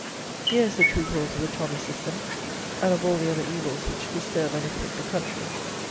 Here is the true cause of the tommy system, and of all the other evils which disturb and afflict the country.